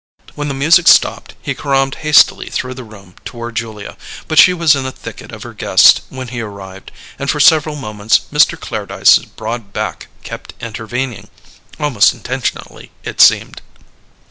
When the music stopped he caromed hastily through the room toward Julia, but she was in a thicket of her guests when he arrived, and for several moments Mr. Clairdyce's broad back kept intervening almost intentionally, it seemed.